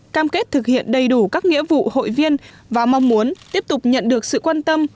cam kết thực hiện đầy đủ các nghĩa vụ hội viên và mong muốn tiếp tục nhận được sự quan tâm